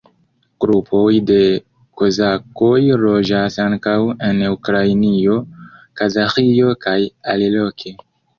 Grupoj de kozakoj loĝas ankaŭ en Ukrainio, Kazaĥio kaj aliloke.